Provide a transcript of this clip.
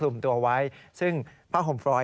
มีโดยมี